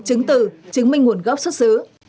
chứng từ chứng minh nguồn gốc xuất xứ